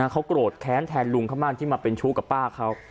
เขาโกรธแค้นแทนลุงเขามากที่มาเป็นชู้กับป้าเขา